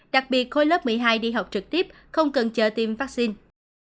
đặc biệt khối lớp một mươi hai đi học trực tiếp không cần chờ tiêm vaccine